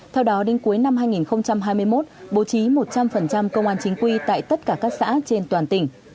theo đó đến cuối năm hai nghìn hai mươi một bố trí một trăm linh công an chính quy tại tất cả các xã trên toàn tỉnh